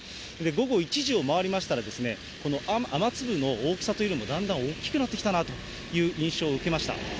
午後１時を回りましたら、この雨粒の大きさというのもだんだん大きくなってきたなという印象を受けました。